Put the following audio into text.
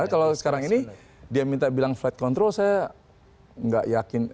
kalau sekarang ini dia minta bilang flight control saya nggak yakin